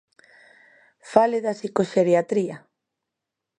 ¡Fale da psicoxeriatría!